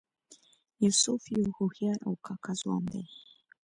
یوسف یو هوښیار او کاکه ځوان دی.